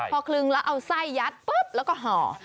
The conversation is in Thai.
พอคลึงแล้วเอาไส้ยัดปุ๊บแล้วก็ห่อ